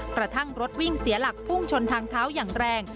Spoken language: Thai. กระทั่งรถวิ่งเสียหลักพุ่งชนทางเท้าอย่างแรง